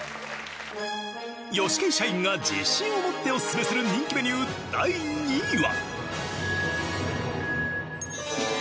ヨシケイ社員が自信を持ってオススメする人気メニュー第２位は。